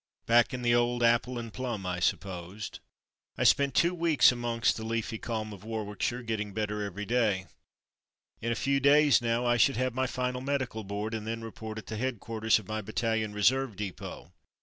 Back in the old "apple and plum,'" I supposed. I spent two weeks amongst the leafy calm of Warwickshire getting better every day. In a few days now I should have my final Medical Board and then report at the head quarters of my Battalion Reserve Depot.